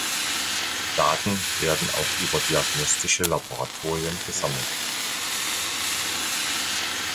Daten werden auch über diagnostische Laboratorien gesammelt.